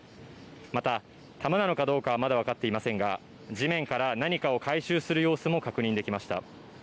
また、弾なのかどうかはまだ分かっていませんが、地面から何かを回収する様子も確認できました。